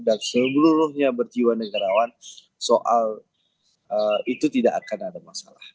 dan seluruhnya berjiwa negarawan soal itu tidak akan ada masalah